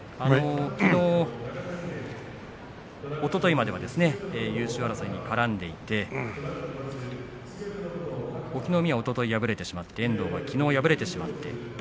きのうおとといまでは優勝争いに絡んでいて隠岐の海はおととい敗れて遠藤はきのう敗れてしまいました。